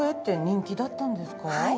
はい。